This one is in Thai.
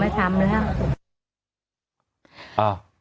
แล้วก็เขาก็ว่าว่างกันเลยอืมวันนั้นฉันก็บอกแล้วเขาบอกไม่ทำแล้ว